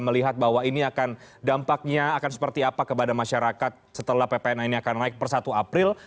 melihat bahwa ini akan dampaknya akan seperti apa kepada masyarakat setelah ppn ini akan naik per satu april